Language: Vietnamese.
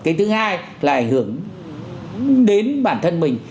cái thứ hai là ảnh hưởng đến bản thân mình